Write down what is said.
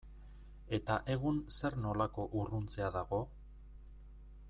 Eta egun zer nolako urruntzea dago?